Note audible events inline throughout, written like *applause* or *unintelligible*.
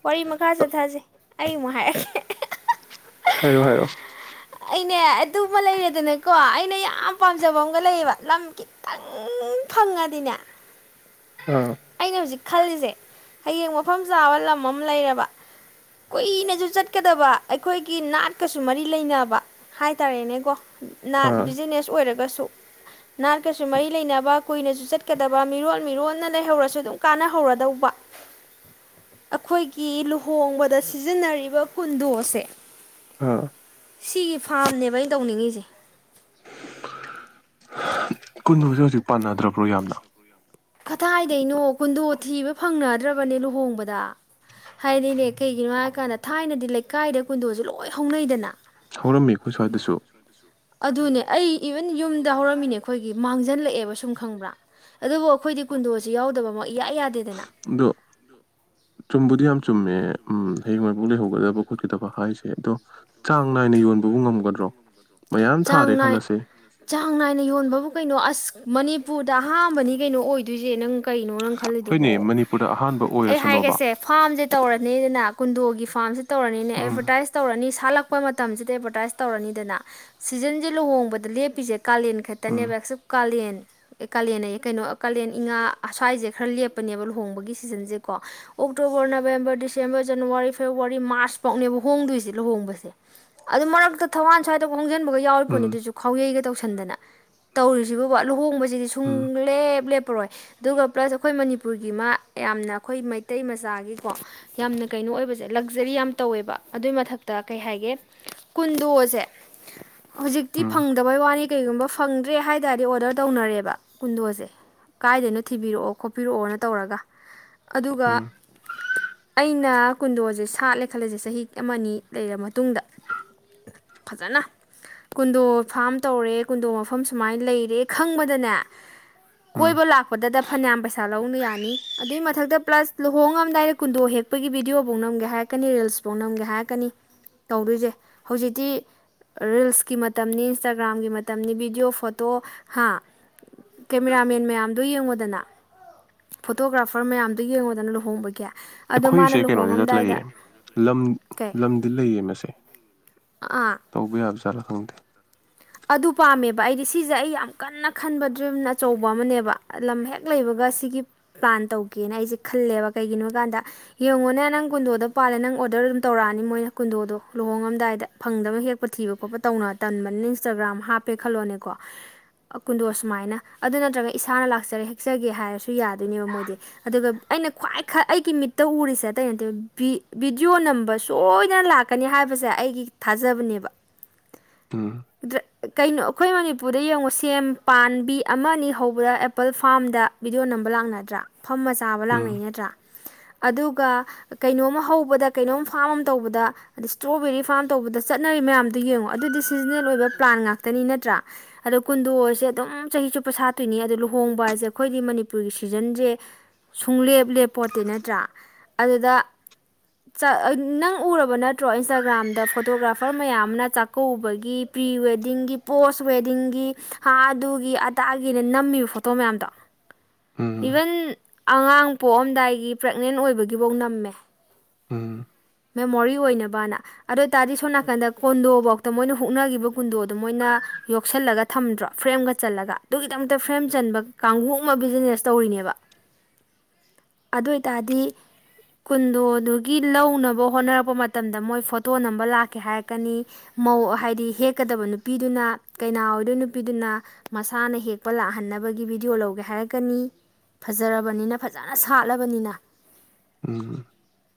ꯎ ꯋꯥꯔꯤ ꯃꯈꯥ ꯆꯠꯊꯖꯩ ꯑꯩꯃꯨꯛ ꯍꯥꯏꯔꯛꯀ‌ꯦ ꯍꯥꯏꯔ‌ꯣ ꯍꯥꯏꯔꯣ ꯑꯩꯅꯦ ꯑꯗꯨꯃ ꯂꯩꯔꯦꯗꯅꯀꯣ ꯑꯩꯅ ꯌꯥꯝ ꯄꯥꯝꯖꯕ ꯑꯃꯒ ꯂꯩꯌꯦꯕ ꯂꯝ ꯈꯤꯇꯪ ꯐꯪꯉꯗꯤꯅꯦ ꯑꯥ ꯑꯩꯅ ꯍꯧꯖꯤꯛ ꯈꯜꯂꯤꯁꯦ ꯍꯌꯦꯡ ꯃꯐꯝ ꯆꯥꯕ ꯂꯝ ꯑꯃ ꯂꯩꯔꯕ ꯀꯨꯏꯅꯁꯨ ꯆꯠꯀꯗꯕ ꯑꯩꯈꯣꯏꯒꯤ ꯅꯥꯠꯀꯁꯨ ꯃꯔꯤ ꯂꯩꯅꯕ ꯍꯥꯏꯇꯥꯔꯦꯅꯦꯀꯣ ꯅꯥꯠ ꯑꯥ ꯕꯤꯖꯤꯅꯦꯁ ꯑꯣꯏꯔꯒꯁꯨ ꯅꯥꯠꯀꯁꯨ ꯃꯔꯤ ꯂꯩꯅꯕ ꯀꯨꯏꯅꯁꯨ ꯆꯠꯀꯗꯕ ꯃꯤꯔꯣꯜ ꯃꯤꯔꯣꯟꯜꯅ ꯂꯩꯍꯧꯔꯁꯨ ꯑꯗꯨꯝ ꯀꯥꯟꯅꯍꯧꯔꯗꯧꯕ ꯑꯩꯈꯣꯏꯒꯤ ꯂꯨꯍꯣꯡꯕꯗ ꯁꯤꯖꯤꯟꯅꯔꯤꯕ ꯀꯨꯟꯗꯣ ꯑꯁꯦ ꯑꯥ ꯁꯤꯒꯤ ꯐꯥꯔꯝꯅꯦꯕ ꯑꯩꯅ ꯇꯧꯅꯤꯡꯉꯤꯁꯦ ꯀꯨꯟꯁꯦ ꯍꯧꯖꯤꯛ ꯄꯥꯟꯅꯗ꯭ꯔꯕ꯭ꯔꯣ ꯌꯥꯝꯅ ꯀꯗꯥꯏꯗꯩꯅꯣ ꯀꯨꯟꯗꯣ ꯊꯤꯕ ꯐꯪꯅꯗ꯭ꯔꯕꯅꯦ ꯂꯨꯍꯣꯡꯕꯗ ꯍꯥꯏꯗꯤꯅꯦ ꯀꯩꯒꯤꯅꯣ ꯍꯥꯏꯀꯥꯟꯗ ꯊꯥꯏꯅꯗꯤ ꯂꯩꯀꯥꯏꯗ ꯀꯨꯟꯗꯣꯁꯨ ꯂꯣꯏ ꯍꯧꯅꯩꯗꯅ ꯍꯧꯔꯝꯃꯤ ꯑꯩꯈꯣꯏ ꯁꯨꯋꯥꯏꯗꯁꯨ ꯑꯗꯨꯅꯦ ꯑꯩ ꯏꯕꯟ ꯌꯨꯝꯗ ꯍꯧꯔꯝꯃꯤꯅꯦ ꯑꯩꯈꯣꯏꯒꯤ ꯃꯥꯡꯖꯜꯂꯛꯑꯦꯕ ꯁꯨꯝ ꯈꯪꯕ꯭ꯔꯥ ꯑꯗꯨꯕꯨ ꯑꯩꯈꯣꯏꯗꯤ ꯀꯨꯟꯗꯣꯁꯤ ꯌꯥꯎꯗꯕ ꯃꯛ ꯑꯗꯣ ꯆꯨꯝꯕꯨꯗꯤ ꯌꯥꯝ ꯆꯨꯝꯃꯦ ꯎꯨꯝ ꯍꯌꯦꯡꯋꯥꯏꯐꯥꯎ ꯂꯩꯍꯧꯒꯗꯕ ꯈꯣꯠꯀꯗꯕ ꯍꯥꯏꯁꯦ ꯑꯗꯣ ꯆꯥꯡ ꯅꯥꯏꯅ ꯌꯣꯟꯕꯕꯨ ꯉꯝꯒꯗ꯭ꯔꯣ ꯃꯌꯥꯝ ꯆꯥꯡ ꯊꯥꯔꯦ ꯅꯥꯏ ꯈꯜꯂꯁꯦ ꯆꯥꯡ ꯅꯥꯏꯅ ꯌꯣꯟꯕꯕꯨ ꯀꯩꯅꯣ ꯑꯁ ꯃꯅꯤ ꯄꯨꯨꯔꯗ ꯑꯍꯥꯝꯕꯅꯤ ꯀꯩꯅꯣ ꯑꯣꯏꯗꯣꯏꯁꯦ ꯅꯪ ꯀꯩꯅꯣ ꯅꯪ ꯍꯣꯏꯅꯦ ꯈꯜꯂꯤꯗꯨꯕꯣ ꯃꯅꯤꯄꯨꯔꯗ ꯑꯍꯥꯟꯕ ꯑꯩ ꯑꯣꯏꯔꯁꯅꯣꯕ ꯍꯥꯏꯈ꯭ꯔꯁꯦ ꯐꯥꯝꯁꯦ ꯇꯧꯔꯅꯤꯗꯅ ꯀꯨꯟꯗꯣꯒꯤ ꯐꯥꯔꯝꯁꯦ ꯇꯧꯔꯅꯤꯅ ꯎꯝ ꯑꯦꯗꯚꯔꯇꯥꯏꯁ ꯇꯧꯔꯅꯤ ꯁꯥꯠꯂꯛ ꯄ ꯃꯇꯝꯁꯤꯗ ꯑꯦꯗꯕꯔꯇꯥꯏꯁ ꯇꯧꯔꯅꯤꯗꯅ ꯁꯤꯖꯟꯖꯦ ꯂꯨꯍꯣꯡꯕꯗ ꯂꯦꯞꯄꯤꯁꯦ ꯀꯥꯂꯦꯟ ꯎꯝ ꯈꯛꯇꯅꯦꯕ ꯑꯦꯛꯁꯦꯞ ꯀꯥꯂꯦꯟ ꯀꯥꯂꯦꯟ ꯀꯩꯅꯣ ꯀꯥꯂꯦꯟ ꯏꯉꯥ ꯁ꯭ꯋꯥꯏꯁꯦ ꯈꯔ ꯂꯦꯞꯄꯅꯦꯕ ꯂꯨꯍꯣꯡꯕꯒꯤ ꯁꯤꯖꯟꯁꯦꯀꯣ October November December January February March ꯐꯥꯎꯅꯦꯕ ꯍꯣꯡꯗꯣꯏꯁꯦ ꯂꯨꯍꯣꯡꯕꯁꯦ ꯑꯗꯨ ꯃꯔꯛꯇ ꯊꯋꯥꯟ ꯊꯥꯗ ꯍꯣꯡ ꯍꯣꯡꯖꯟꯕꯒ ꯎꯝ ꯌꯥꯎꯔꯤꯄꯣꯅꯦ ꯑꯗꯨꯁꯨ ꯈꯥꯎꯩꯒ ꯇꯧꯁꯤ ꯈꯟꯗꯅ ꯇꯧꯔꯤꯁꯤꯕꯨꯕ ꯂꯨꯍꯣꯡꯕ ꯁꯤ ꯎꯝ ꯁꯨꯡꯂꯦꯕ ꯂꯦꯞ ꯄꯔꯣꯏ ꯑꯗꯨꯒ ꯄ꯭ꯂꯁ ꯑꯩꯈꯣꯏ ꯃꯅꯤꯄꯨꯔꯒꯤ ꯃꯥ ꯌꯥꯝꯅ ꯑꯩꯈꯣꯏ ꯃꯩꯇꯩ ꯃꯆꯥꯒꯤꯀꯣ ꯌꯥꯝꯅ ꯀꯩꯅꯣ ꯑꯣꯏꯕꯁꯦ ꯂꯛꯖꯔꯤ ꯌꯥꯝ ꯇꯧꯋꯦꯕ ꯑꯗꯨꯏ ꯃꯊꯛꯇ ꯀꯩ ꯍꯥꯏꯒꯦ ꯀꯨꯟꯗꯣꯁꯦ- ꯍꯧꯖꯤꯛꯇꯤ ꯎꯝ ꯐꯪꯗꯕꯩ ꯋꯥꯅꯤ ꯀꯩꯒꯨꯝꯕ ꯐꯪꯗ꯭ꯔꯦ ꯍꯥꯏ ꯇꯔꯗꯤ ꯑꯣꯗꯔ ꯇꯧꯅꯔꯦꯕ ꯀꯨꯟꯗꯣꯁꯦ ꯀꯥꯏꯗꯅꯣ ꯊꯤꯕꯤꯔꯛꯑꯣ ꯈꯣꯠꯄꯤꯔꯛꯑꯣꯅ ꯇꯧꯔꯒ ꯑꯗꯨꯒ ꯎꯝ ꯑꯩꯅ ꯀꯨꯟꯗꯣꯁꯦ ꯁꯥꯠꯂꯦ ꯈꯜꯂꯁꯦ ꯆꯍꯤ ꯑꯃ ꯅꯤ ꯂꯩꯔ ꯃꯇꯨꯡꯗ ꯐꯖꯅ ꯀꯨꯟꯗꯣ ꯐꯥꯝ ꯇꯧꯔꯦ ꯀꯨꯟꯗꯣ ꯃꯐꯝ ꯁꯨꯃꯥꯏꯅ ꯂꯩꯔꯦ ꯈꯪꯕꯗꯅꯦ ꯎꯝ ꯀꯣꯏꯕ ꯂꯥꯛꯄꯗꯗ ꯐꯅꯌꯥꯝ ꯄꯩꯁꯥ ꯂꯧꯕ ꯌꯥꯅꯤ ꯑꯗꯨꯏ ꯃꯊꯛꯇ ꯄ꯭ꯂꯁ ꯂꯍꯣꯡꯉꯝꯗꯥꯏꯗ ꯀꯨꯟꯗꯣ ꯍꯦꯛꯄꯒꯤ ꯚꯤꯗꯤꯌꯑꯣꯐꯧ ꯅꯝꯒꯦ ꯍꯥꯏꯔꯛꯀꯅꯤ ꯔꯤꯜꯁꯐꯧ ꯅꯝꯒꯦ ꯍꯥꯏꯔꯛꯀꯅꯤ ꯇꯧꯗꯣꯏꯁꯦ ꯍꯧꯖꯤꯛꯇꯤ ꯔꯤꯜꯁꯀꯤ ꯃꯇꯝꯅꯤ ꯏꯟꯁꯇꯥꯒ꯭ꯔꯥꯝꯒꯤ ꯃꯇꯝꯅꯤ ꯚꯤꯗꯤꯌꯑꯣ ꯐꯣꯇꯣ ꯍꯥ ꯀꯦꯃꯦꯔꯥꯃꯦꯟ ꯃꯌꯥꯝꯗ ꯌꯦꯡꯉꯨꯗꯅ ꯐꯣꯇꯣꯒ꯭ꯔꯥꯐꯔ ꯃꯌꯥꯝꯗꯣ ꯌꯦꯡꯉꯗꯅ ꯂꯨꯍꯣꯡꯕꯒꯤ ꯑꯗꯣ ꯃꯥꯅ ꯑꯩꯈꯣꯏꯁꯦ ꯀꯩꯅꯣꯗꯨꯗ ꯂꯨꯍꯣꯡꯉꯝꯗꯥꯏꯗ ꯂꯩꯌꯦ ꯂꯝ ꯀꯩ ꯂꯝꯗꯤ ꯂꯩꯌꯦ ꯃꯁꯦ ꯑꯥ ꯇꯧꯕ ꯌꯥꯕꯖꯥꯠꯂꯥ ꯈꯪꯗꯦ ꯑꯗꯨ ꯄꯥꯝꯃꯦꯕ ꯑꯩꯗꯤ ꯁꯤꯁꯦ ꯑꯩ ꯌꯥꯝ ꯀꯟꯅ ꯈꯟꯕ ꯗ꯭ꯔꯤꯝꯅ ꯑꯆꯧꯕ ꯑꯃꯅꯦꯕ ꯂꯝ ꯍꯦꯛ ꯂꯩꯕꯒ ꯁꯤꯒꯤ ꯄ꯭ꯂꯥꯟ ꯇꯧꯒꯦꯅ ꯑꯩꯁꯦ ꯈꯜꯂꯦꯕ ꯀꯩꯒꯤꯅꯣ ꯍꯥꯏ ꯀꯥꯟꯗ ꯌꯦꯡꯉꯣꯅꯦ ꯅꯪ ꯀꯨꯟꯗꯣꯗꯣ ꯄꯥꯜꯂꯦ ꯅꯪ ꯑꯣꯔꯗꯔ ꯑꯗꯨꯝ ꯇꯧꯔꯛꯑꯅꯤ ꯃꯣꯏꯅ ꯀꯨꯟꯗꯣꯗꯣ ꯂꯨꯍꯣꯡꯉꯝꯗꯥꯏꯗ ꯐꯪꯗꯕ ꯍꯦꯛꯄ ꯊꯤꯕ ꯈꯣꯠꯄ ꯇꯧꯅ ꯇꯟꯕꯅꯤ ꯏꯟꯁꯇꯥꯒ꯭ꯔꯥꯝ ꯍꯥꯞꯄꯦ ꯈꯜꯂꯣꯅꯦꯀꯣ ꯀꯨꯟꯗꯣ ꯁꯨꯃꯥꯏꯅ ꯑꯗꯨ ꯅꯠꯇ꯭ꯔꯒ ꯏꯁꯥꯅ ꯂꯥꯛꯆꯔꯦ ꯍꯦꯛꯆꯒꯦ ꯍꯥꯏꯔꯁꯨ ꯌꯥꯗꯣꯏꯅꯦꯕ ꯃꯣꯏꯗꯤ ꯑꯗꯨꯒ ꯑꯩꯅ ꯈ꯭ꯋꯥꯏ ꯑꯩꯒꯤ ꯃꯤꯠꯇ ꯎꯔꯤꯁꯦ ꯑꯇꯩ ꯅꯠꯇꯦꯕ ꯚꯤꯗꯤꯑꯣ ꯅꯝꯕ ꯁꯣꯏꯗꯅ ꯂꯥꯛꯀꯅꯤ ꯍꯥꯏꯕꯁꯦ ꯑꯩꯒꯤ ꯊꯥꯖꯕꯅꯦꯕ- ꯎꯝ ꯑꯗ ꯀꯩꯅꯣ ꯑꯩꯈꯣꯏ ꯃꯅꯤꯄꯨꯔꯗ ꯌꯦꯡꯉꯣ ꯁꯦꯝ ꯄꯥꯕꯤ ꯑꯃ ꯑꯅꯤ ꯍꯧꯕꯗ ꯑꯦꯄꯜ ꯐꯥꯝꯗ ꯕꯤꯗꯤꯑꯣ ꯅꯝꯕ ꯂꯥꯛꯅꯗ꯭ꯔꯥ ꯐꯝ ꯃꯆꯥꯕ ꯎꯝ ꯂꯥꯛꯅꯩ ꯅꯠꯇ꯭ꯔꯥ ꯑꯗꯨꯒ ꯀꯩꯅꯣꯝꯃ ꯍꯧꯕꯗ ꯀꯩꯅꯣꯝ ꯐꯥꯝ ꯑꯃ ꯇꯧꯕꯗ ꯑꯗꯩ ꯏꯁꯇ꯭ꯔꯣꯕꯦꯔꯤ ꯐꯥꯔꯝ ꯇꯧꯕꯗ ꯆꯠꯅꯔꯤ ꯃꯌꯥꯝꯗꯨ ꯌꯦꯡꯉꯣ ꯑꯗꯨꯗꯤ ꯁꯤꯖꯟꯅꯜ ꯑꯣꯏꯕ ꯄ꯭ꯂꯥꯟ ꯉꯥꯛꯇꯅꯤ ꯅꯠꯇ꯭ꯔꯥ ꯑꯗꯣ ꯀꯨꯟꯗꯣꯁꯦ ꯑꯗꯨꯝ ꯆꯍꯤ ꯆꯨꯞꯄ ꯁꯥꯠꯇꯣꯏꯅꯤ ꯑꯗꯨꯗꯣ ꯂꯨꯍꯣꯡꯕ ꯍꯥꯏꯁꯦ ꯑꯩꯈꯣꯏꯗꯤ ꯃꯅꯤꯄꯨꯔꯒꯤ ꯁꯤꯖꯟꯁꯦ ꯁꯨꯡꯂꯦꯞ ꯂꯦꯞꯄꯣꯠꯇꯦ ꯅꯠꯇ꯭ꯔꯥ ꯑꯗꯨꯗ ꯅꯪ ꯎꯔꯕ ꯅꯠꯇ꯭ꯔꯣ ꯏꯟꯁꯇꯥꯒ꯭ꯔꯥꯝꯗ ꯐꯣꯇꯣꯒ꯭ꯔꯥꯐꯔ ꯃꯌꯥꯝ ꯑꯃꯅ ꯆꯥꯛꯀꯧꯕꯒꯤ ꯄ꯭ꯔꯤ ꯋꯦꯗꯤꯡꯒꯤ ꯄꯣꯁ ꯋꯦꯗꯤꯡꯒꯤ ꯍꯥ ꯑꯗꯨꯒꯤ ꯑꯗꯥꯒꯤꯅ ꯅꯝꯃꯤꯕ ꯐꯣꯇꯣ ꯃꯌꯥꯝꯗꯣ ꯎꯝ ꯏꯚꯟ ꯑꯉꯥꯡ ꯄꯣꯛꯑꯝꯗꯥꯏꯒꯤ ꯄ꯭ꯔꯦꯅꯦꯟ ꯑꯣꯏꯕꯒꯤꯐꯧ ꯅꯝꯃꯦ ꯎꯝ ꯃꯦꯃꯣꯔꯤ ꯑꯣꯏꯅꯕꯅ ꯑꯗꯨ ꯑꯣꯏꯇꯥꯔꯗꯤ ꯁꯣꯝ ꯅꯥꯀꯟꯗ ꯀꯣꯟꯗꯣꯐꯧꯇ ꯃꯣꯏꯅ ꯍꯨꯛꯅꯒꯤꯕ ꯀꯨꯟꯗꯣꯗꯣ ꯃꯣꯏꯅ ꯌꯣꯛꯁꯤꯜꯂꯒ ꯊꯝꯗ꯭ꯔꯣ ꯐ꯭ꯔꯦꯝꯒ ꯆꯜꯂꯒ ꯐ꯭ꯔꯦꯝ ꯆꯟꯕ ꯀꯥꯡꯕꯨ ꯑꯃ ꯕꯤ ꯇꯧꯔꯤꯅꯦꯕ ꯑꯗꯨ ꯑꯣꯏꯇꯥꯔꯗꯤ ꯀꯨꯟꯗꯣꯗꯨꯒꯤ ꯂꯧꯅꯕ ꯍꯣꯠꯅꯔꯛꯄ ꯃꯇꯝꯗ ꯃꯣꯏ ꯐꯣꯇꯣ ꯅꯝꯕ ꯂꯥꯛꯀꯦ ꯍꯥꯏꯔꯛꯀꯅꯤ ꯍꯥꯏꯗꯤ ꯍꯦꯛ ꯀꯗꯕ ꯅꯨꯄꯤꯗꯨꯅ ꯀꯩꯅꯥ ꯑꯣꯏꯗꯣꯏ ꯅꯨꯄꯤꯗꯨꯅ ꯃꯁꯥꯅ ꯍꯦꯛꯄ ꯂꯥꯛꯍꯟꯅꯕꯒꯤ ꯚꯕꯤꯗꯤꯑꯣ ꯂꯧꯒꯦ ꯍꯥꯏꯔꯛꯀꯅꯤ ꯐꯖꯔꯕꯅꯤꯅ ꯐꯖꯅ ꯁꯥꯠꯂꯕꯅꯤꯅ ꯎꯝ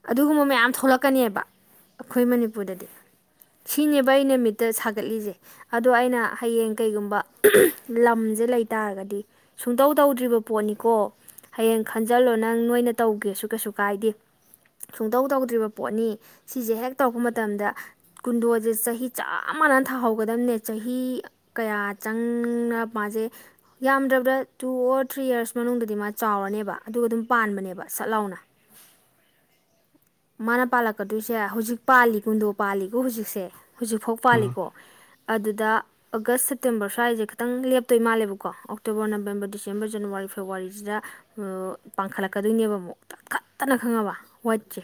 ꯑꯗꯨꯒꯨꯝꯕ ꯃꯌꯥꯝ ꯊꯣꯛꯂꯛ ꯀꯅꯦꯕ ꯑꯩꯈꯣꯏ ꯃꯅꯤꯄꯨꯔꯗꯗꯤ ꯁꯤꯅꯦꯕ ꯑꯩꯅ ꯃꯤꯠꯇꯁꯛ ꯒꯠꯂꯤꯁꯦ ꯑꯗꯣ ꯑꯩꯅ ꯍꯌꯦꯡ ꯀꯩꯒꯨꯝꯕ ꯂꯝꯁꯦ ꯂꯩꯇꯥꯔꯒꯗꯤ ꯁꯨꯡꯇꯧ ꯇꯧꯗ꯭ꯔꯤꯕ ꯄꯣꯠꯅꯤꯀꯣ ꯍꯌꯦꯡ ꯈꯟꯖꯜꯂꯣ ꯅꯪ ꯅꯣꯏꯅ ꯇꯧꯒꯦꯁꯨ ꯀꯩꯁꯨ ꯀꯥꯏꯗꯦ ꯁꯨꯡꯇꯧ ꯇꯧꯗ꯭ꯔꯤꯕ ꯄꯣꯠꯅꯤ ꯁꯤꯁꯦ ꯍꯦꯛ ꯇꯧꯔꯛꯄ ꯃꯇꯝꯗ ꯀꯨꯟꯗꯣꯁꯦ ꯆꯍꯤ ꯆꯥꯃ ꯆꯞ ꯃꯥꯟꯅ ꯊꯥꯍꯧꯒꯗꯝꯕꯅꯦ ꯆꯍꯤ ꯀꯌꯥ ꯆꯪꯅ ꯃꯥꯁꯦ ꯌꯥꯝꯗ꯭ꯔꯕꯗ ꯇꯨ ꯑꯣꯔ ꯊ꯭ꯔꯤ ꯌꯔꯁ ꯃꯅꯨꯡꯗꯗꯤ ꯃꯥ ꯆꯥꯎꯔꯅꯦꯕ ꯑꯗꯨꯒ ꯑꯗꯨꯝ ꯄꯥꯟꯕꯅꯦꯕ ꯁꯠ ꯂꯥꯎꯅ ꯃꯥꯅ ꯄꯥꯜꯂꯛꯀꯗꯣꯏꯁꯦ ꯍꯧꯖꯤꯛ ꯄꯥꯜꯂꯤ ꯀꯨꯟꯗꯣ ꯄꯥꯜꯂꯤꯀꯣ ꯍꯧꯖꯤꯛꯁꯦ ꯍꯧꯖꯤꯛꯐꯥꯎ ꯎꯝ ꯄꯥꯜꯂꯤ ꯑꯗꯨꯗ ꯑꯒꯁ ꯁꯦꯞꯇꯦꯝꯕꯔ ꯁꯋꯥꯏꯁꯦ ꯈꯤꯇꯪ ꯂꯦꯞꯇꯣꯏ ꯃꯥꯜꯂꯦꯕꯀꯣ ꯑꯣꯛꯇꯣꯕꯔ ꯅꯕꯦꯝꯕꯔ ꯗꯤꯁꯦꯝꯕꯔ ꯖꯅꯋꯥꯔꯤ ꯐꯦꯕꯋꯥꯔꯤꯁꯤꯗ ꯄꯥꯡꯈꯠꯂꯛꯀꯗꯣꯏꯅꯦꯕ ꯑꯃꯨꯛ ꯈꯤꯇꯪ ꯈꯠꯇꯅ ꯈꯪꯉꯕ ꯋꯥꯏꯠꯁꯦ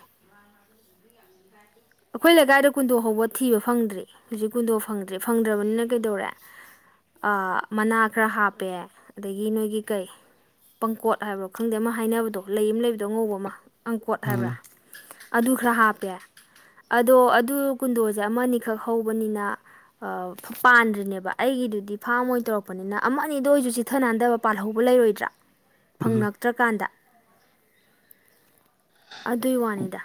ꯑꯩꯈꯣꯏ ꯂꯩꯀꯥꯏꯗ ꯀꯨꯟꯗꯣ ꯍꯧꯕ ꯊꯤꯕ ꯐꯪꯗ꯭ꯔꯤ ꯍꯧꯖꯤꯛ ꯀꯨꯟꯗꯣ ꯐꯪꯗ꯭ꯔꯦ ꯐꯪꯗ꯭ꯔꯕꯅꯤꯅ ꯀꯩꯗꯧꯔꯦ ꯃꯅꯥ ꯈꯔ ꯍꯥꯞꯄꯦ ꯑꯗꯒꯤ ꯅꯣꯏꯒꯤ ꯀꯩ ꯄꯪꯀꯣꯠ ꯍꯥꯏꯕ꯭ꯔ ꯈꯪꯗꯦ ꯑꯃ ꯍꯥꯏꯅꯕꯗꯣ ꯂꯩ ꯑꯃ ꯂꯩꯕꯗꯣ ꯑꯉꯧꯕ ꯑꯃ ꯑꯪꯀꯣꯠ ꯎꯝ ꯍꯥꯏꯕ꯭ꯔꯥ ꯑꯗꯨ ꯈꯔ ꯍꯥꯞꯄꯦ ꯑꯗꯣ ꯑꯗꯨ ꯀꯨꯟꯗꯣꯁꯦ ꯑꯃꯅꯤꯈꯛ ꯍꯧꯕꯅꯤꯅ ꯄꯥꯟꯗ꯭ꯔꯤꯅꯦꯕ ꯑꯩꯒꯤꯗꯨꯗꯤ ꯐꯥꯝ ꯑꯣꯏꯅ ꯇꯧꯔꯛꯄꯅꯤꯅ ꯑꯃ ꯑꯅꯤꯗꯣ ꯑꯩꯁꯨ ꯆꯤꯊꯅꯥꯟꯊꯕ ꯄꯥꯜꯍꯧꯕ ꯂꯩꯔꯣꯏꯗ꯭ꯔꯥ ꯎꯝ ꯐꯪꯉꯛꯇ꯭ꯔꯀꯥꯟꯗ ꯑꯗꯨꯒꯤ ꯋꯥꯅꯤꯗ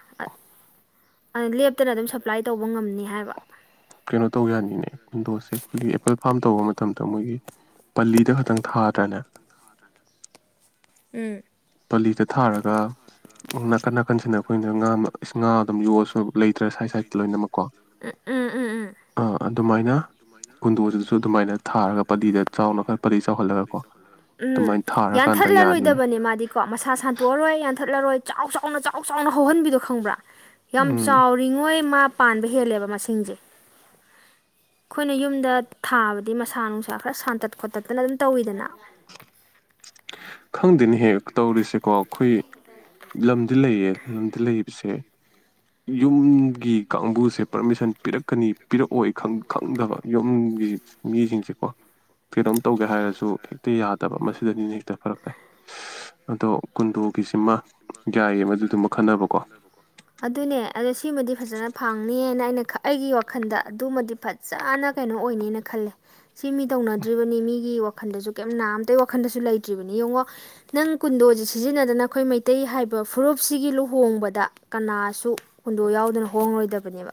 ꯑꯗꯨ ꯂꯦꯞꯇꯅ ꯑꯗꯨꯝ ꯁꯄ꯭ꯂꯥꯏ ꯇꯧꯕ ꯉꯝꯅꯤ ꯍꯥꯏꯕ ꯀꯩꯅꯣ ꯇꯧ ꯌꯥꯅꯤꯅꯦ ꯀꯨꯟꯗꯣꯁꯦ ꯑꯩꯈꯣꯏꯒꯤ ꯑꯦꯜ ꯐꯥꯔꯝ ꯇꯧꯕ ꯃꯇꯝꯗ ꯃꯣꯏꯒꯤ ꯄꯜꯂꯤꯗ ꯈꯛꯇꯪ ꯊꯥꯗ꯭ꯔꯅꯦ ꯎꯝ ꯄꯂꯤꯗ ꯊꯥꯔꯒ ꯅꯥꯀꯟ ꯅꯥꯀꯟꯁꯤꯅ ꯑꯩꯈꯣꯏꯅ ꯉꯥ ꯉꯥ ꯑꯗꯨꯝ ꯌꯣꯜꯂꯁꯨ ꯂꯩꯇ꯭ꯔ ꯁꯥꯏꯠ ꯁꯥꯏꯗꯠꯇ ꯂꯣꯏꯅꯃꯛ ꯑ ꯎꯝ ꯎꯝ ꯎꯝ ꯑꯗꯨꯃꯥꯏꯅ ꯀꯨꯟꯗꯣꯁꯤꯁꯨ ꯑꯗꯨꯃꯥꯏꯅ ꯊꯥꯔꯒ ꯄꯂꯤꯗ ꯆꯥꯎꯅ ꯈ ꯄ ꯎꯝ ꯌꯥꯅꯤꯅꯦ ꯌꯥꯟꯊꯠꯂꯔꯣꯏꯗꯕꯅꯦ ꯃꯥꯗꯤ ꯀꯣ ꯃꯁꯥ ꯁꯟꯇꯣꯛꯑꯔꯣꯏ ꯌꯥꯟꯊꯠꯂꯔꯣꯏ ꯆꯥꯎ ꯆꯥꯎꯅ ꯆꯥꯎ ꯆꯥꯎꯅ ꯍꯧꯍꯟꯕꯤꯗꯣ ꯈꯪꯕ꯭ꯔꯥ ꯌꯥꯝ ꯎꯝ ꯆꯥꯎꯔꯤꯉꯣꯏ ꯃꯥ ꯄꯥꯟꯕ ꯍꯦꯜꯂꯦꯕ ꯃꯁꯤꯡꯁꯦ ꯑꯩꯈꯣꯏꯅ ꯌꯨꯝꯗ ꯊꯥꯕꯗꯤ ꯃꯁꯥ ꯅꯨꯡꯁꯥ ꯈꯔ ꯁꯥꯟꯇꯠ ꯈꯣꯠꯇꯠꯇꯅ ꯑꯗꯨꯝ ꯇꯧꯋꯤꯗꯅ ꯈꯪꯗꯦꯅꯦ ꯍꯦꯛ ꯇꯧꯔꯤꯁꯦꯀꯣ ꯑꯩꯈꯣꯏ ꯂꯝꯗ ꯂꯩꯌꯦ ꯂꯝꯗ ꯂꯩꯕꯁꯦ ꯌꯨꯝꯒꯤ ꯀꯥꯡꯕꯨꯁꯦ ꯄꯔꯃꯤꯁꯟ ꯄꯤꯔꯛꯀꯅꯤ ꯄꯤꯔꯛꯑꯣꯏ ꯈꯪꯗꯕ ꯌꯨꯝꯒꯤ ꯃꯤꯁꯤꯡꯁꯦꯀꯣ ꯀꯩꯅꯣꯝ ꯇꯧꯒꯦ ꯍꯥꯏꯔꯁꯨ ꯍꯦꯛꯇ ꯌꯥꯗꯕ ꯃꯁꯤꯗꯅꯤꯅꯦ ꯐꯔꯛ ꯇꯥꯏ ꯑꯗꯣ ꯀꯨꯟꯗꯣꯒꯤꯁꯤꯃ ꯌꯥꯏꯌꯦ ꯃꯗꯨꯗꯨꯃ ꯈꯟꯅꯕ ꯑꯗꯨꯅꯦ ꯑꯣ ꯁꯤꯃꯗꯤ ꯐꯖꯅ ꯐꯪꯅꯤꯅ ꯑꯩꯅ ꯑꯩꯒꯤ ꯋꯥꯈꯜꯗ ꯑꯗꯨꯃꯗꯤ ꯐꯖꯅ ꯀꯩꯅꯣ ꯑꯣꯏꯅꯦꯅ ꯈꯜꯂꯦ ꯁꯤ ꯃꯤ ꯇꯧꯅꯗ꯭ꯔꯤꯕꯅꯤ ꯃꯤꯒꯤ ꯋꯥ ꯋꯥꯈꯟꯗꯁꯨ ꯀꯩꯝ ꯅꯥ ꯑꯇꯇꯩ ꯋꯥꯈꯟꯗꯁꯨ ꯂꯩꯇ꯭ꯔꯤꯕꯅꯤ ꯌꯦꯡꯉꯣ ꯅꯪ ꯀꯨꯟꯗꯣꯁꯦ ꯁꯤꯖꯤꯟꯅꯗꯅ ꯑꯩꯈꯣꯏ ꯃꯩꯇꯩ ꯍꯥꯏꯕ ꯐꯨꯔꯨꯞꯁꯤꯒꯤ ꯂꯨ ꯍꯣꯡꯕꯗ ꯀꯅꯥꯁꯨ ꯍꯨꯟꯗꯣ ꯌꯥꯎꯗꯅ ꯍꯣꯡꯉꯔꯣꯏꯗꯕꯅꯦꯕ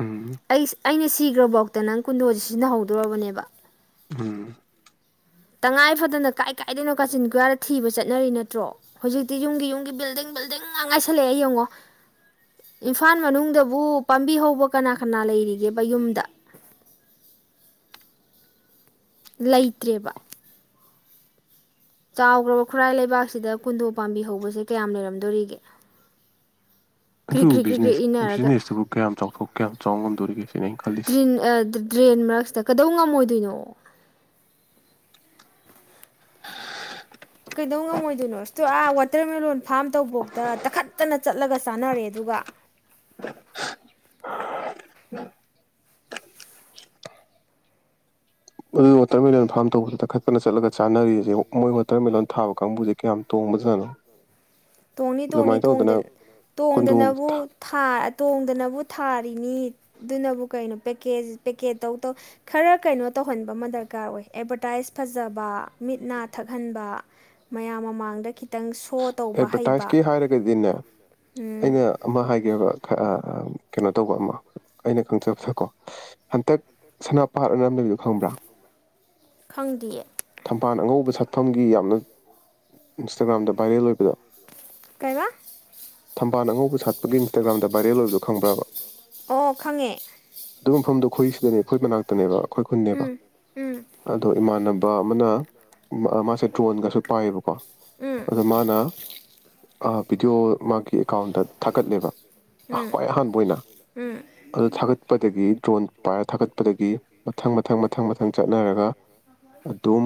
ꯎꯝ ꯑꯩꯁ ꯑꯩꯅ ꯁꯤꯈ꯭ꯔꯕꯣ ꯍꯛꯇ ꯅꯪ ꯀꯨꯟꯗꯣꯁ ꯁꯤꯖꯤꯟꯅꯍꯧꯗꯣꯔꯔꯕꯅꯦꯕ ꯎꯝ ꯇꯉꯥꯏ ꯐꯗꯅ ꯀꯥꯏ ꯀꯥꯏꯗꯅꯣ ꯀꯥꯆꯤꯟ ꯀꯨꯌꯥꯗ ꯊꯤꯕ ꯆꯠꯅꯔꯤ ꯅꯠꯇ꯭ꯔꯣ ꯍꯧꯖꯤꯛꯇꯤ ꯌꯨꯝꯒꯤ ꯌꯨꯝꯒꯤ ꯕꯤꯜꯗꯤꯡ ꯕꯤꯜꯗꯤꯡ ꯉ ꯉꯥꯏꯁꯜꯂꯛꯑꯦ ꯌꯦꯡꯉꯣ ꯏꯝꯐꯥꯜ ꯃꯅꯨꯡꯗꯕꯨ ꯄꯥꯝꯕꯤ ꯍꯧꯕ ꯀꯅꯥ ꯀꯅꯥ ꯂꯩꯔꯤꯒꯦꯕ ꯌꯨꯝꯗ ꯂꯩꯇ꯭ꯔꯦꯕ ꯆꯥꯎꯈ꯭ꯔꯕ ꯈꯨꯔꯥꯏ ꯂꯩꯕꯥꯛꯁꯤꯗ ꯈꯨꯟꯗꯣ ꯄꯥꯝꯕꯤ ꯍꯧꯕꯁꯦ ꯀꯌꯥꯝ ꯂꯩꯔꯝꯗꯣꯔꯤꯒꯦ ꯀ꯭ꯔꯤꯛ ꯑꯗꯨꯕꯨ ꯀ꯭ꯔꯤꯛ ꯀ꯭ꯔꯤꯛ ꯀ꯭ꯔꯤꯛ ꯕꯤꯖꯤꯅꯦꯁ ꯏꯟꯅꯔꯒ ꯕꯤꯖꯤꯅꯦꯁꯇꯨꯕꯨ ꯀꯌꯥꯝ ꯆꯥꯎꯊꯣꯛ ꯀꯌꯥꯝ ꯆꯥꯎꯉꯝꯦ ꯇꯧꯔꯤꯁꯤ ꯗꯔꯤ ꯗ꯭ꯔꯦꯟ ꯃꯔꯛꯁꯤꯗ ꯀꯩꯗꯧ ꯉꯝꯃꯣꯏꯗꯣꯏꯅꯣ *unintelligible* ꯀꯩꯗꯧ ꯉꯝꯃꯣꯏꯗꯣꯏꯅꯣ ꯑꯁꯇꯣ ꯑꯥ ꯋꯥꯇꯔꯃꯦꯂꯂꯣꯟ ꯐꯥꯝ ꯇꯧꯕꯧꯇ ꯇꯥꯈꯠꯇꯅ ꯆꯠꯂꯒ ꯆꯥꯅꯔꯦ ꯑꯗꯨꯒ ꯎ ꯑꯗꯨ ꯋꯥꯇꯔꯃꯦꯂꯟ ꯐꯥꯔꯝ ꯇꯧꯕꯁꯤꯗꯛꯈꯠꯄꯅ ꯆꯠꯂꯒ ꯆꯥꯅꯔꯤꯁꯦ ꯃꯣꯏ ꯋꯥꯇꯔꯃꯦꯂꯂꯣꯟ ꯊꯥꯕ ꯀꯥꯡꯕꯨꯁꯦ ꯀꯌꯥꯝ ꯇꯣꯡꯕꯗꯅꯣ ꯇꯣꯡꯅꯤ ꯇꯣꯡꯅꯤ ꯀꯨꯟꯗꯣ ꯇꯣꯡꯗꯅ ꯇꯣꯡꯗꯅꯕꯨ ꯊꯥꯔꯤꯅꯤ ꯑꯗꯨꯅꯕꯨ ꯀꯩꯅꯣ ꯄꯦꯀꯦꯠ ꯇꯧ ꯈꯔ ꯀꯩꯅꯣ ꯇꯧꯍꯟꯕ ꯑꯃ ꯗꯔꯀꯥꯔ ꯑꯣꯏ ꯑꯦꯗꯚꯔꯇꯥꯏꯁ ꯐꯖꯕ ꯃꯤꯠ ꯅꯥ ꯊꯛꯍꯟꯕ ꯃꯌꯥꯝ ꯃꯃꯥꯡꯗ ꯈꯤꯇꯣ ꯁꯣ ꯇꯧꯕ ꯍꯩꯕ ꯑꯦꯗꯚꯔꯇꯥꯏꯁꯀꯤ ꯍꯥꯏꯔꯒꯗꯤꯅꯦ ꯎꯝ ꯑꯩꯅ ꯑꯃ ꯍꯥꯏꯒꯦꯕ ꯀꯩꯅꯣ ꯇꯧꯕ ꯑꯃ ꯑꯩꯅ ꯈꯪꯖꯕꯗꯀꯣ ꯍꯟꯇꯛ ꯁꯅꯥꯄꯥꯥꯠꯅ ꯑꯝ ꯂꯩꯕꯤꯗꯣ ꯈꯪꯕ꯭ꯔꯥ ꯈꯪꯗꯤꯌꯦ ꯄꯥꯠ ꯑꯉꯧꯕ ꯁꯛꯐꯝꯒꯤ ꯌꯥꯝꯅ ꯏꯟꯁꯇꯥꯒ꯭ꯔꯥꯝꯗ ꯄꯥꯏꯔꯦꯜ ꯑꯣꯏꯕꯗ ꯀꯩ ꯕꯥ ꯊꯝꯕꯥꯜ ꯑꯉꯧ ꯁꯥꯠꯄꯒꯤ ꯏꯟꯁꯇꯥꯒ꯭ꯔꯝꯗ ꯕꯥꯏꯔꯦꯜ ꯑꯣꯏꯗꯣ ꯈꯪꯕꯔꯥꯕ ꯑꯣ ꯈꯪꯉꯦ ꯑꯗꯨ ꯃꯐꯝꯗꯣ ꯑꯩꯈꯣꯏ ꯁꯤꯗꯅꯦ ꯑꯩꯈꯣꯏ ꯃꯅꯥꯛꯇꯅꯦꯕ ꯑꯩꯈꯣꯏ ꯈꯨꯨꯟꯅꯦꯕ ꯎꯝ ꯎꯝ ꯑꯗꯣ ꯏꯃꯥꯟꯅꯕ ꯑꯃꯅ ꯃꯥꯁꯦ ꯗ꯭ꯔꯣꯟꯒꯁꯨ ꯄꯥꯏꯌꯦꯕꯀꯣ ꯎꯝ ꯑꯗꯨꯗ ꯃꯥꯅ ꯚꯗꯤꯑꯣ ꯃꯥꯒꯤ ꯑꯦꯀꯥꯎꯟꯗ ꯊꯥꯒꯠꯂꯦꯕ ꯎꯝ ꯈ꯭ꯋꯥꯏ ꯑꯍꯥꯟꯕ ꯑꯣꯏꯅ ꯎꯝ ꯑꯗꯨ ꯊꯥꯒꯠꯄꯗꯒꯤ ꯗ꯭ꯔꯣꯟ ꯄꯥꯏꯔ ꯊꯥꯒꯠꯄꯗꯒꯤ ꯃꯊꯪ ꯃꯊꯪ ꯃꯊꯪ ꯃꯊꯪ ꯆꯠꯅꯔꯒ ꯑꯗꯨꯝ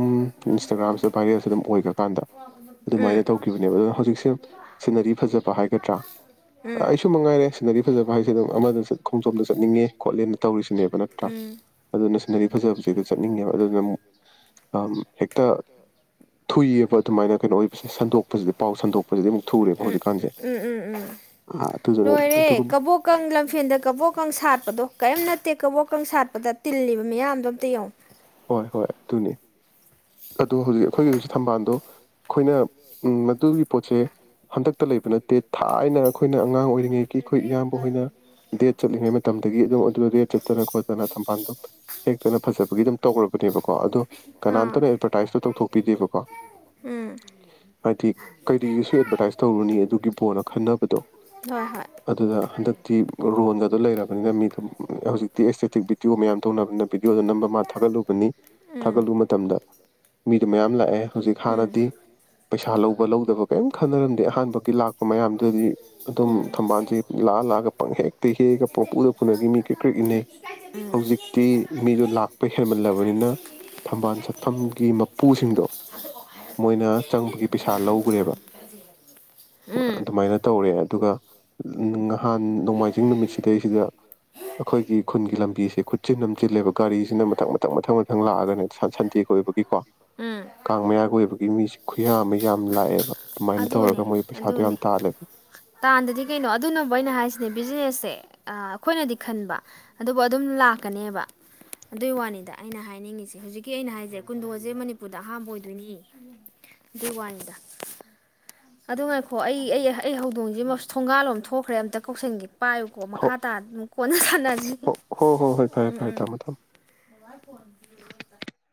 ꯏꯟꯁꯇꯥꯒ꯭ꯔꯥꯝꯁꯤꯗ ꯚꯥꯏꯔꯦꯜꯁꯤ ꯑꯗꯨꯝ ꯑꯣꯏꯈ꯭ꯔꯀꯥꯟꯗ ꯎꯝ ꯎꯝ ꯑꯗꯨꯃꯥꯏꯅ ꯇꯧꯈꯤꯕꯅꯦꯕ ꯑꯗꯨꯅ ꯍꯧꯖꯤꯛꯁꯦ ꯁꯤꯅꯔꯤ ꯐꯖꯕ ꯍꯥꯏꯒꯗ꯭ꯔꯥ ꯎꯝ ꯑꯩꯁꯨ ꯃꯉꯥꯏꯔꯦ ꯁꯤꯅꯔꯤ ꯐꯖꯕ ꯍꯥꯏꯁꯦ ꯑꯗꯨꯝ ꯑꯃꯗ ꯈꯣꯡꯖꯣꯝꯗ ꯆꯠꯅꯤꯡꯉꯦ ꯈꯣꯠꯂꯦꯅ ꯇꯧꯔꯤꯁꯤꯅꯦꯕ ꯅꯠꯇ꯭ꯔꯥ ꯎꯝ ꯑꯗꯨꯅ ꯁꯤꯅꯔꯤ ꯐꯖꯕꯗꯣ *unintelligible* ꯑꯗꯨꯃꯥꯏꯅ ꯀꯩꯅꯣ ꯎ ꯎꯝ ꯎꯝ ꯑꯣꯏꯕꯁꯦ ꯁꯟꯗꯣꯛꯄꯁꯤꯗꯤ ꯄꯥꯎ ꯁꯟꯗꯣꯛꯄꯁꯤꯗꯤ ꯑꯃꯨꯛ ꯊꯨꯔꯦꯕ ꯍꯧꯖꯤꯛꯀꯥꯟꯁꯦ ꯎꯝ ꯎꯝ ꯎꯝ ꯑꯥ, ꯑꯗꯨꯗꯨꯅ ꯂꯣꯏꯔꯦ ꯑꯗꯨꯒꯨꯝꯕ ꯀꯕꯣꯛꯀꯪ ꯂꯝꯐꯦꯟꯗ ꯀꯕꯣꯛꯀꯪ ꯁꯥꯠꯄꯗꯣ ꯀꯤꯝ ꯅꯠ ꯇꯦꯛ ꯀꯕꯣꯛꯀꯪ ꯁꯥꯠꯄꯗ ꯇꯤꯜꯂꯤꯕ ꯃꯌꯥꯝꯗꯣ ꯑꯝꯇ ꯌꯦꯡꯉꯣ ꯍꯣꯏ ꯍꯣꯏ ꯑꯗꯨꯅꯤ ꯑꯣ ꯍꯧꯖꯤꯛ ꯑꯩꯈꯣꯏꯒꯤ ꯍꯧꯖꯤꯛ ꯊꯝꯕꯥꯜꯗꯣ ꯑꯩꯈꯣꯏꯅ ꯃꯗꯨꯒꯤ ꯄꯣꯠꯁꯦ ꯍꯟꯗꯛꯇ ꯂꯩꯕ ꯅꯠꯇꯦ ꯊꯥꯏꯅ ꯑꯩꯈꯣꯏꯅ ꯑꯉꯥꯡ ꯑꯣꯏꯔꯤꯉꯩ ꯃꯇꯝꯗꯒꯤ ꯑꯗꯨꯝ *unintelligible* ꯑꯗꯨꯗ ꯗꯦꯠ ꯆꯠꯇꯅ ꯈꯣꯠꯇꯅ ꯊꯝꯕꯥꯜꯗꯣ ꯍꯦꯛꯇꯅ ꯐꯖꯕꯒꯤ ꯑꯗꯨꯝ *inaudible* ꯇꯧꯔꯕꯅꯦꯕꯀꯣ ꯑꯗꯣ ꯑꯥ ꯀꯅꯥꯝꯇꯅ ꯑꯦꯠꯚꯔꯇꯥꯏꯁꯇꯣ ꯇꯧꯊꯣꯛꯄꯤꯗꯦꯕꯀꯣ ꯎꯝ ꯍꯥꯏꯗꯤ ꯀꯩꯔꯤꯒꯤꯁꯨ ꯑꯦꯠꯚꯔꯇꯥꯏꯁ ꯇꯧꯔꯨꯅꯤ ꯑꯗꯨꯒꯤ ꯄꯣꯠꯅ ꯈꯟꯅꯕꯗꯣ ꯍꯣꯏ ꯍꯣꯏ ꯑꯗꯨꯗ ꯍꯟꯗꯛꯇꯤ ꯗꯔꯣꯟꯒꯗꯣ ꯂꯩꯔꯕꯅꯤꯅ ꯃꯤꯗꯣ ꯍꯧꯖꯤꯛꯇꯤ ꯑꯦꯁꯇꯦꯇꯤꯛ ꯕꯤꯗꯤꯑꯣ ꯃꯌꯥꯝ ꯇꯧꯅꯕꯅꯤꯅ ꯕꯤꯗꯤꯑꯣꯗꯣ ꯅꯝꯕ ꯃꯥꯟ ꯊꯥꯒꯠꯂꯨꯕꯅꯤ ꯎꯝ ꯊꯥꯒꯠꯂꯨ ꯃꯇꯝꯗ ꯃꯤꯗꯣ ꯃꯌꯥꯝ ꯂꯥꯛꯑꯦ ꯍꯧꯖꯤꯛ ꯎꯝ ꯍꯥꯟꯅꯗꯤ ꯄꯩꯁꯥ ꯂꯧꯕ ꯂꯧꯗꯕ ꯀꯔꯤꯝ ꯈꯟꯅꯔꯝꯗꯦ ꯑꯍꯥꯟꯕꯒꯤ ꯂꯥꯛꯄ ꯃꯌꯥꯝꯗꯨꯗꯗꯤ ꯑꯗꯨꯝ ꯊꯝꯕꯥꯜꯁꯦ ꯂꯥꯛꯑ ꯂꯥꯛꯑꯒ ꯄꯪ ꯍꯦꯛꯇ ꯍꯦꯛꯑꯒ ꯄꯪꯄꯗ ꯐꯅꯒꯤ ꯃꯤ ꯀ꯭ꯔꯤ ꯀꯔꯤꯦꯛ ꯏꯟꯅꯩ ꯍꯧꯖꯤꯛꯇꯤ ꯃꯤꯁꯨ ꯂ ꯍꯦꯟꯃꯜꯂꯕꯅꯤꯅ ꯊꯝꯕꯥꯜ ꯆꯠꯐꯝꯒꯤ ꯃꯄꯨꯁꯤꯡꯗꯣ ꯃꯣꯏꯅ ꯆꯪꯕꯒꯤ ꯄꯩꯁꯥ ꯂꯧꯈ꯭ꯔꯦꯕ ꯎꯝ ꯑꯗꯨꯃꯥꯏꯅ ꯇꯧꯔꯦ ꯑꯗꯨꯒ ꯅꯍꯥꯟ ꯅꯣꯡꯃꯥꯏꯖꯤꯡ ꯅꯨꯃꯤꯠ ꯁꯤꯗꯩꯁꯤꯗ ꯑꯩꯈꯣꯏꯒꯤ ꯈꯨꯟꯒꯤ ꯂꯝꯕꯤꯁꯦ ꯈꯨꯠꯆꯤꯟꯅ ꯑꯃꯝ ꯆꯤꯜꯂꯦꯕ ꯒꯥꯔꯤꯁꯤꯅ ꯃꯊꯪ ꯃꯊꯪ ꯃꯊꯪ ꯃꯊꯪ ꯂꯥꯛꯑꯒꯅꯦ ꯁꯟꯗꯦ ꯑꯣꯏꯕꯒꯤꯀꯣ ꯎꯝ ꯀꯥꯡ ꯃꯌꯥꯒꯣꯏꯕꯒꯤ ꯃꯤꯁꯦ ꯈꯨꯌꯥ ꯑꯃ ꯌꯥꯝ ꯂꯥꯛꯑꯦꯕ ꯑꯗꯨꯃꯥꯏꯅ ꯑꯗꯨꯅꯦ ꯇꯧꯔꯒ ꯃꯣꯏ ꯄꯩꯁꯥꯗꯣ ꯌꯥꯝ ꯑꯗꯨꯅꯦ ꯇꯥꯜꯂꯦꯕ ꯇꯥꯟꯗꯗꯤ ꯀꯩꯅꯣ ꯑꯗꯨꯅꯕꯨ ꯑꯩꯅ ꯍꯥꯏꯁꯤꯅꯦ ꯕꯤꯖꯤꯅꯦꯁꯁꯦ ꯑꯩꯈꯣꯏꯅꯗꯤ ꯈꯟꯕ ꯑꯗꯨꯕꯨ ꯑꯗꯨꯝ ꯂꯥꯛꯀꯅꯦꯕ ꯑꯗꯨꯒꯤ ꯋꯥꯅꯤꯗ ꯑꯩꯅ ꯍꯥꯏꯅꯤꯡꯉꯤꯁꯦ ꯍꯧꯖꯤꯛꯀꯤ ꯑꯩꯅ ꯍꯥꯏꯁꯦ ꯀꯨꯟꯗꯣꯁꯦ ꯃꯅꯤꯄꯨꯔꯗ ꯑꯍꯥꯝꯕ ꯑꯣꯏꯗꯣꯏꯅꯤ ꯑꯗꯨꯒꯤ ꯋꯥꯅꯤꯗ ꯑꯗꯨ ꯉꯥꯏꯈꯣ ꯑꯩ ꯑꯩ ꯑꯩ ꯍꯧꯗꯣꯡꯁꯤ ꯊꯣꯡꯒꯥꯜꯂꯣꯝ ꯊꯣꯛꯈ꯭ꯔꯦ ꯑꯝꯇ ꯀꯧꯁꯟꯒꯤ ꯄꯥꯏꯌꯨꯀꯣ ꯃꯈꯥ ꯇꯥꯅ ꯑꯗꯨꯝ ꯀꯣꯟꯅ ꯁꯥꯟꯅꯁꯤ ꯍꯣ ꯍꯣ ꯍꯣꯏ ꯍꯣꯏ ꯐꯔꯦ ꯎꯝ ꯐꯔꯦ ꯎꯝ ꯊꯝꯃꯣ ꯊꯝꯃꯣ ꯃꯣꯕꯥꯏꯜ ꯐꯣꯟꯗꯤ